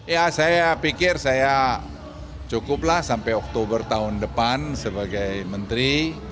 ya saya pikir saya cukuplah sampai oktober tahun depan sebagai menteri